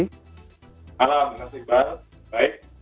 halo terima kasih pak baik